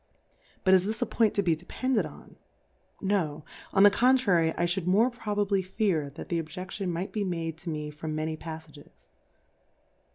But is ibis a Point to he \ defended on ? No^ on the contrary, I . Jhould more ^rohMy fear, that the Oh* jettion might he made to me from many Tajjages.